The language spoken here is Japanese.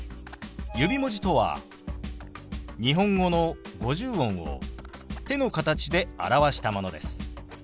指文字とは日本語の五十音を手の形で表したものです。